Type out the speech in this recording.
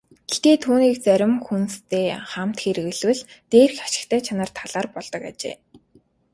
Гэхдээ түүнийг зарим хүнстэй хамт хэрэглэвэл дээрх ашигтай чанар талаар болдог ажээ.